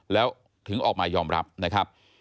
แล้วถึงออกมายอมรับนะครับ